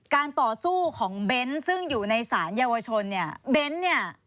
ต่อสู้ของเบ้นซึ่งอยู่ในสารเยาวชนเนี่ยเบ้นเนี่ย